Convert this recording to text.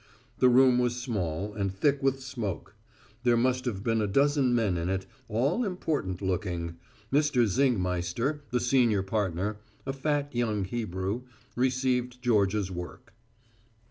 The room was small, and thick with smoke. There must have been a dozen men in it, all important looking. Mr. Zingmeister, the senior partner, a fat young Hebrew, received Georgia's work.